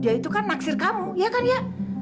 ya itu kan naksir kamu ya kan ya